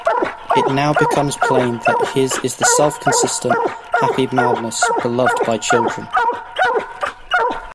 It now becomes plain that his is the self-consistent, happy madness beloved by children.